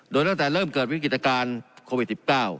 โดยตั้งแต่เริ่มเกิดวิกฤตการณ์โควิด๑๙